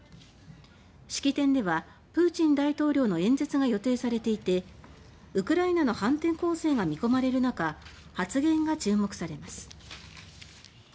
式典ではプーチン大統領の演説が予定されていてウクライナの反転攻勢が見込まれる中発言が注目されます。